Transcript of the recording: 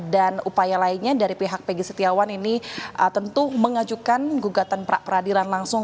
dan upaya lainnya dari pihak peggy setiawan ini tentu mengajukan gugatan peradiran langsung